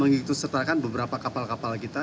mengikuti serta kan beberapa kapal kapal kita